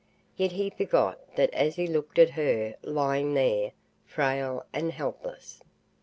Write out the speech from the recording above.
Yet he forgot that as he looked at her lying there, frail and helpless.